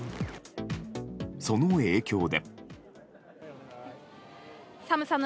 その影響で。